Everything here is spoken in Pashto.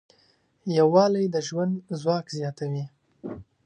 یووالی د ژوند ځواک زیاتوي.